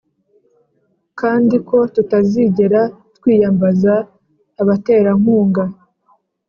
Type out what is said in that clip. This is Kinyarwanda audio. Kandi ko tutazigera twiyambaza abaterankunga